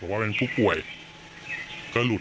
ว่าเป็นผู้ป่วยก็หลุด